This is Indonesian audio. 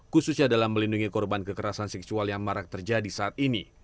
khususnya dalam melindungi korban kekerasan seksual yang marak terjadi saat ini